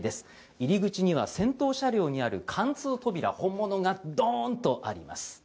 入口には先頭車両にある貫通扉本物がドーンとあります。